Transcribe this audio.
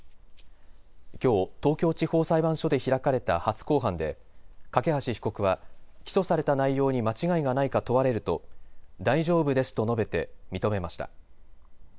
きょう、東京地方裁判所で開かれた初公判で梯被告は起訴された内容に間違いがないか問われると大丈夫ですと述べて認めました。